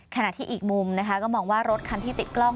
ขณะที่อีกมุมนะคะก็มองว่ารถคันที่ติดกล้อง